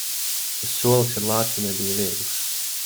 Tas solis ar lāci nebija viegls.